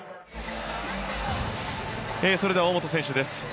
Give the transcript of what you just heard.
それでは大本選手です。